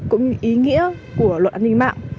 cũng như ý nghĩa của luật an ninh mạng